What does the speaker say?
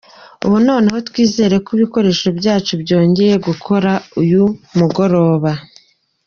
Ubu noneho twizeye ko ibikoresho byacu byongera gukora uyu mugoroba.